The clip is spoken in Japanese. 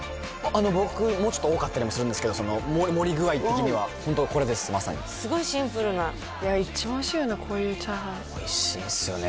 僕もうちょっと多かったりもするんですけど盛り具合的にはホントこれですまさにすごいシンプルな一番おいしいよねこういうチャーハンおいしいですよね